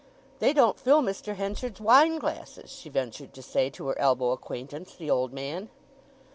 "They don't fill Mr. Henchard's wine glasses," she ventured to say to her elbow acquaintance, the old man.